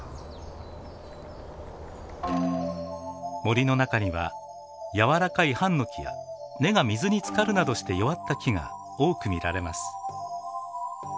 森の中には柔らかいハンノキや根が水につかるなどして弱った木が多く見られます。